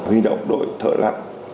huy động đội thợ lặn